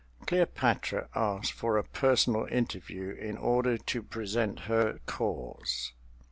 Cleopatra asked for a personal interview, in order to present her cause.